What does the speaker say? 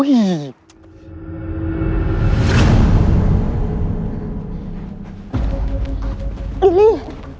เอิลลี่